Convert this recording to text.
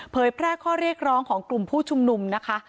แพร่ข้อเรียกร้องของกลุ่มผู้ชุมนุมนะคะ